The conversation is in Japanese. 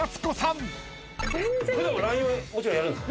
普段ＬＩＮＥはもちろんやるんですか？